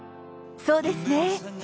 そうですね。